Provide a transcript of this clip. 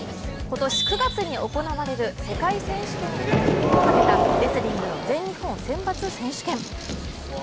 今年９月に行われる世界選手権への切符をかけたレスリングの全日本選抜選手権。